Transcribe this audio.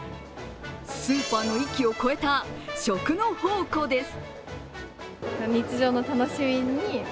スーパーの域を超えた食の宝庫です。